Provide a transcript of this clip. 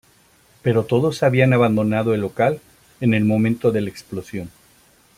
Pero todos habían abandonado el local en el momento de la explosión.